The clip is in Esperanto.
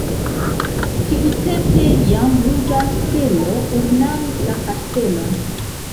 Tiutempe jam ruĝa stelo ornamis la kastelon.